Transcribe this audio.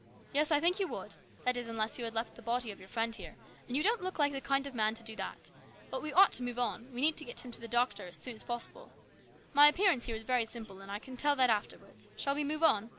" Yes, I think you would ; that is, unless you had left the body of your friend here, and you don't look like the kind of man to do that. But we ought to move on. We need to get him to the doctor as soon as possible. My appearance here is very simple, and I can tell that afterwards. Shall we move on